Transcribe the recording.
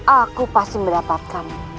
aku pasti mendapatkan